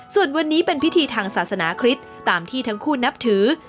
ส่วนวันนี้เป็นพิธีทางศาสนาคริสต์ตามที่ทั้งคู่นับถือ